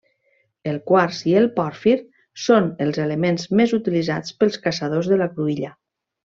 El quars i el pòrfir són els elements més utilitzats pels caçadors de la cruïlla.